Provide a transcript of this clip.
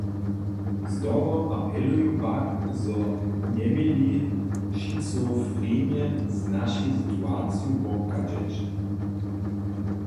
Zdobom apeluju pak, zo njeměli šicofrenje z našej situaciju wobchadźeć.